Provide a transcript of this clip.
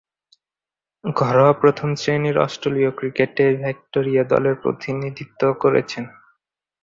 ঘরোয়া প্রথম-শ্রেণীর অস্ট্রেলীয় ক্রিকেটে ভিক্টোরিয়া দলের প্রতিনিধিত্ব করেছেন।